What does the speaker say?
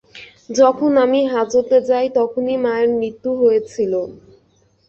যখন আমি হাজতে তখনই মায়ের মৃত্যু হয়েছিল।